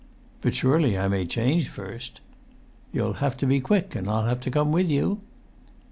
"But surely I may change first?" "You'll have to be quick, and I'll have to come with you."